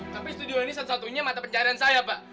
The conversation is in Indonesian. tapi studio ini satu satunya mata pencarian saya pak